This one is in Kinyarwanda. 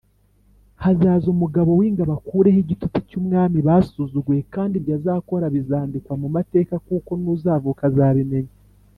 Hazaza umugaba w ingabo akureho igitutsi cy’umwami basuzuguye kandi ibyo azakora bizandikwa mu mateka kuko nuzavuka azabimenya.